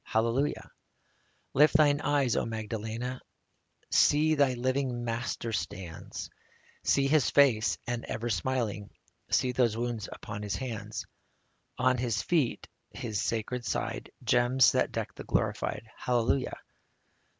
Hallelujah ! Lift thine eyes, O Magdalena ! See ! thy living Master stands ; See His face, as ever, smiling ; See those wounds upon His hands, On His feet, His sacred side, — Gems that deck the Glorified, — Hallelujah